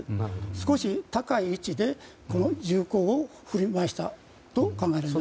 少し高い位置で銃口を振り回したと考えられます。